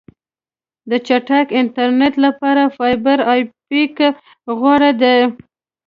د چټک انټرنیټ لپاره فایبر آپټیک غوره دی.